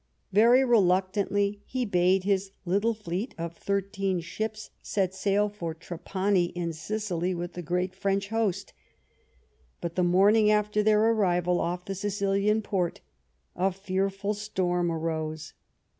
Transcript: Very reluctantly he bade his little fleet of thirteen ships set sail for Trapani in Sicily with the great French host. But the morning after their arrival off the Sicilian port a fearful storm arose.